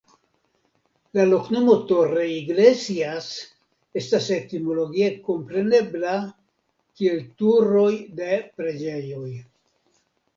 La loknomo "Torreiglesias" estas etimologie komprenebla kiel Turo(j) de Preĝejo(j).